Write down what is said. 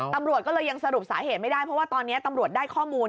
ตำรวจก็เลยยังสรุปสาเหตุไม่ได้เพราะว่าตอนนี้ตำรวจได้ข้อมูล